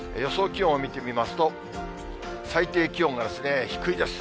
気温を見てみますと、最低気温が低いです。